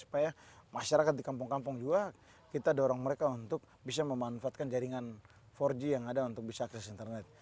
supaya masyarakat di kampung kampung juga kita dorong mereka untuk bisa memanfaatkan jaringan empat g yang ada untuk bisa akses internet